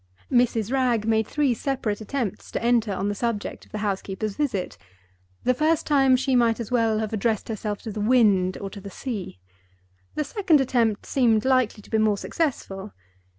Mrs. Wragge made three separate attempts to enter on the subject of the housekeeper's visit. The first time she might as well have addressed herself to the wind, or to the sea. The second attempt seemed likely to be more successful.